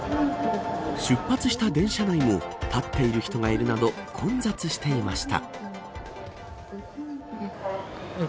出発した電車内も立っている人がいるなど混雑していました。